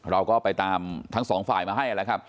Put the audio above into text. เราก็ไปตามทั้งสองฝ่ายมาให้แล้วครับ